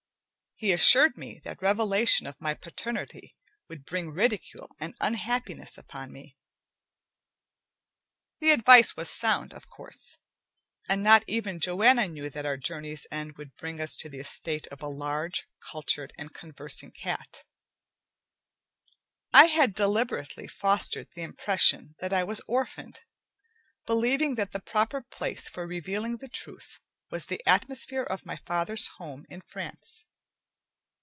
He assured me that revelation of my paternity would bring ridicule and unhappiness upon me. The advice was sound, of course, and not even Joanna knew that our journey's end would bring us to the estate of a large, cultured, and conversing cat. I had deliberately fostered the impression that I was orphaned, believing that the proper place for revealing the truth was the atmosphere of my father's home in France.